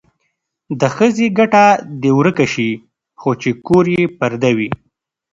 د ښځې ګټه دې ورکه شي خو چې کور یې پرده وي.